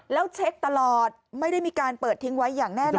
แล้วเช็คตลอดไม่ได้มีการเปิดทิ้งไว้อย่างแน่นอน